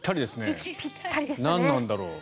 息ぴったりでしたね。